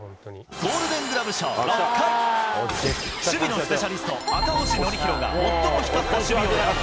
ゴールデングラブ賞６回、守備のスペシャリスト、赤星憲広が最も光った守備を選ぶ。